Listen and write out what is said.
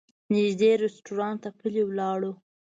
نږدې رسټورانټ ته پلي لاړو.